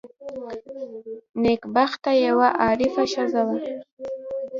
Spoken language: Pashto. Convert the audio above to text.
نېکبخته یوه عارفه ښځه وه.